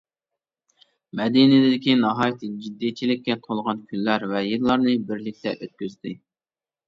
مەدىنىدىكى ناھايىتى جىددىيچىلىككە تولغان كۈنلەر ۋە يىللارنى بىرلىكتە ئۆتكۈزدى.